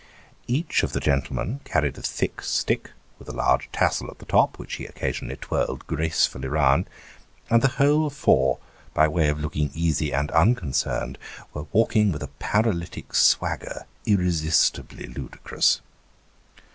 Each of the gentlemen carried a thick stick, with a large tassel at the top, which he occasionally twirled gracefully round ; and the whole four, by way of looking easy and unconcerned, were walking with a paralytic swagger irresistibly ludicrous.